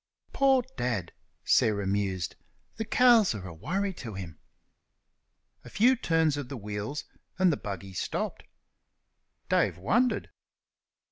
"Poor Dad!" Sarah mused, "the cows are a worry to him." A few turns of the wheels and the buggy stopped. Dave wondered.